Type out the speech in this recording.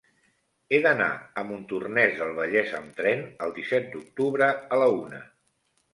He d'anar a Montornès del Vallès amb tren el disset d'octubre a la una.